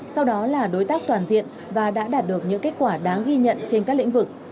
sau đó là đối tác toàn diện và đã đạt được những kết quả đáng ghi nhận trên các lĩnh vực